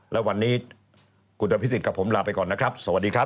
และวันนี้คุณอภิษฎกับผมลาไปก่อนนะครับสวัสดีครับ